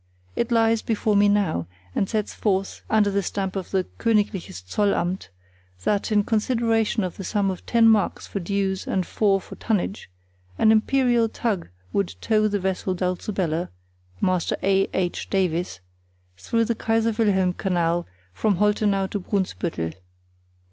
It lies before me now, and sets forth, under the stamp of the Königliches Zollamt, that, in consideration of the sum of ten marks for dues and four for tonnage, an imperial tug would tow the vessel Dulcibella (master A. H. Davies) through the Kaiser Wilhelm canal from Holtenau to Brunsbüttel.